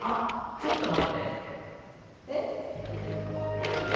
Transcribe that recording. ちょっと待ってえっ？